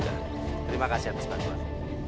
terima kasih atas bantuan